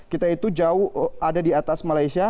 kita itu jauh ada di atas malaysia